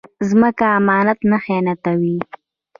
ځمکه امانت نه خیانتوي